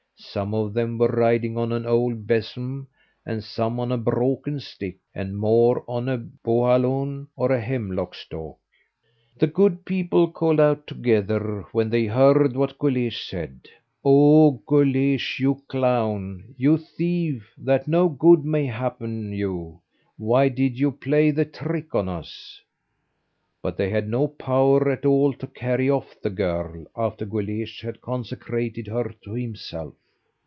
Some of them were riding on an old besom, and some on a broken stick, and more on a bohalawn or a hemlock stalk. The good people called out together when they heard what Guleesh said: "Oh! Guleesh, you clown, you thief, that no good may happen you, why did you play that trick on us?" But they had no power at all to carry off the girl, after Guleesh had consecrated her to himself.